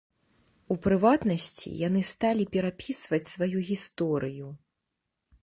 У прыватнасці, яны сталі перапісваць сваю гісторыю.